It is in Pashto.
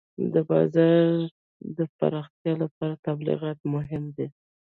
د بازار د پراختیا لپاره تبلیغات مهم دي.